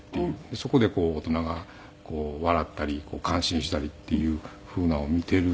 そこでこう大人が笑ったり感心したりっていうふうなのを見ている。